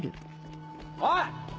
おい！